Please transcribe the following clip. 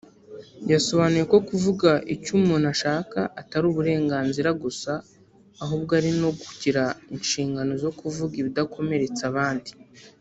yasobanuye ko kuvuga icyo umuntu ashaka atari uburenganzira gusa ahubwo ari no kugira inshingano zo kuvuga ibidakomeretsa abandi